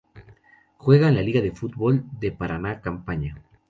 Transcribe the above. Juega en la Liga de Fútbol de Paraná Campaña.